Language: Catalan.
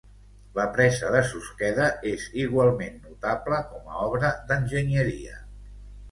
La presa de Susqueda és igualment notable com a obra d'enginyeria.